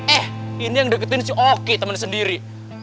eh ini yang deketin si oki temen sendiri